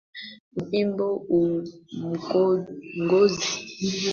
ambayo ilikuwa ni kutembea na fimbo au mkongojo